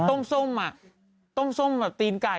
ต้มส้มอ่ะต้มส้มแบบตีนไก่อ่ะ